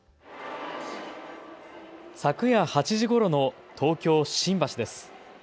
昨夜８時ごろの東京新橋です。